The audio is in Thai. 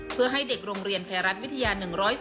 เพื่อให้เด็กโรงเรียนไทยรัฐวิทยา๑๔